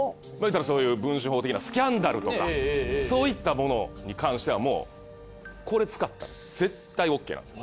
そういう文春砲的なスキャンダルとかそういったものに関してはこれ使ったら絶対オッケーなんです。